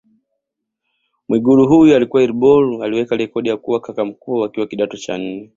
Mwigulu huyu akiwa Ilboru aliweka rekodi ya kuwa kaka mkuu akiwa kidato cha nne